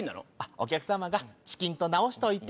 お客様が「チキンと直しといて」